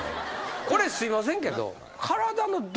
これすいませんけど。